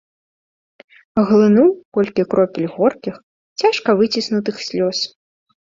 Глынуў колькі кропель горкіх, цяжка выціснутых слёз.